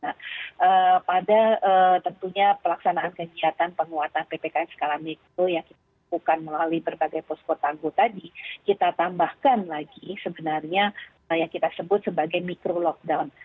nah pada tentunya pelaksanaan kegiatan penguatan ppkm skala mikro yang kita lakukan melalui berbagai posko tangguh tadi kita tambahkan lagi sebenarnya yang kita sebut sebagai mikro lockdown